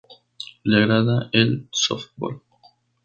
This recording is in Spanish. Le agrada el softbol.